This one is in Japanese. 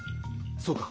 そうか。